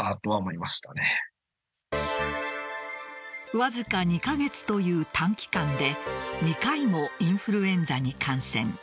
わずか２カ月という短期間で２回もインフルエンザに感染。